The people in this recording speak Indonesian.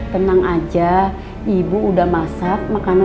tenang aja ibu udah masak makan ini ya bu